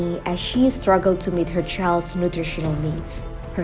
mencoba untuk menemukan kebutuhan nutrisional anaknya